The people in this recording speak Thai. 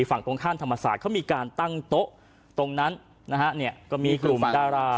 ฝั่งตรงข้ามธรรมศาสตร์เขามีการตั้งโต๊ะตรงนั้นนะฮะเนี่ยก็มีกลุ่มดารา